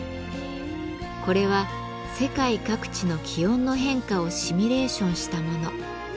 これは世界各地の気温の変化をシミュレーションしたもの。